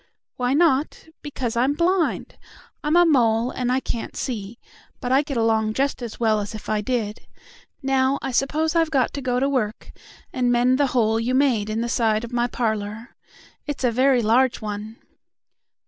"Why not? Because I'm blind. I'm a mole, and I can't see; but I get along just as well as if I did. Now, I suppose I've got to go to work and mend the hole you made in the side of my parlor. It's a very large one."